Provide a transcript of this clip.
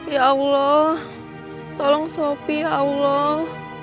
ya allah tolong sopi ya allah